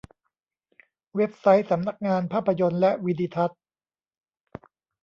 เว็บไซต์สำนักงานภาพยนตร์และวีดิทัศน์